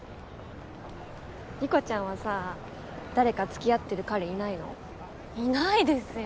理子ちゃんはさ誰か付き合ってる彼いいないですよ